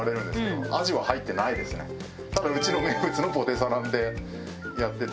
ただうちの名物のポテサラでやってて。